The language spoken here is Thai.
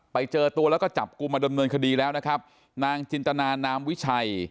ไปเจอตัวแล้วก็จับกลุ่มมาดำเนินคดีแล้วนะครับนางจินตนานามวิชัย